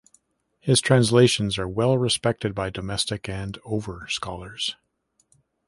His translations are well respected by domestic and over scholars.